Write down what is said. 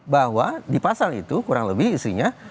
bahwa di pasal itu kurang lebih isinya